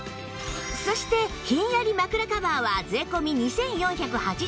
そしてひんやり枕カバーは税込２４８０円